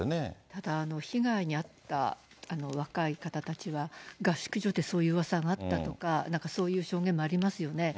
ただ被害に遭った若い方たちは、合宿所でそういううわさがあったとか、なんかそういう証言もありますよね。